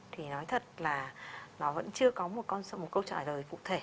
thì nói thật là nó vẫn chưa có một câu trả lời cụ thể